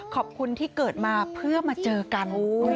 ขอบคุณที่เกิดมาเพื่อมาเจอกัน